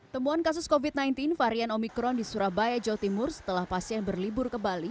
temuan kasus covid sembilan belas varian omikron di surabaya jawa timur setelah pasien berlibur ke bali